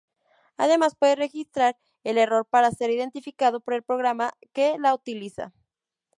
Además puede registrar el error para ser identificado por el programa que la utiliza.